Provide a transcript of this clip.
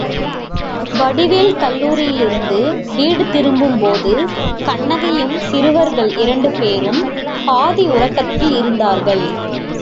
வடிவேல் கல்லூரியிலிருந்து வீடு திரும்பும்போது கண்ணகியும் சிறுவர்கள் இரண்டு பேரும் பாதி உறக்கத்தில் இருந்தார்கள்.